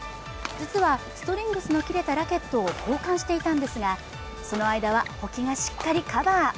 実は、ストリングスの切れたラケットを交換していたんですがその間は保木がしっかりカバー。